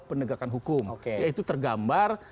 penegakan hukum yaitu tergambar